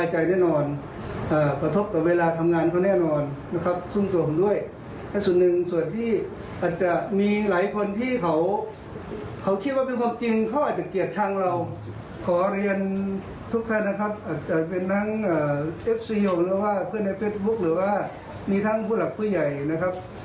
หรือว่าเพื่อนในเฟสบุ๊คหรือว่ามีทั้งผู้หลักผู้ใหญ่นะครับ